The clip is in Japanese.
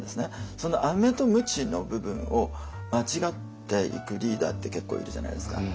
そのアメとムチの部分を間違っていくリーダーって結構いるじゃないですか。